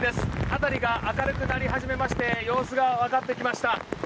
辺りが明るくなり始めまして様子がわかってきました。